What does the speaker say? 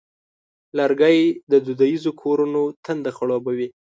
لرګی د دودیزو کورونو تنده خړوبوي.